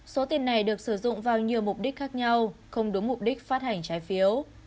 số tiền này được sử dụng vào nhiều mục đích khác nhau không đúng mục đích phát hành trái phiếu